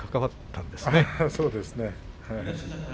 そうですね。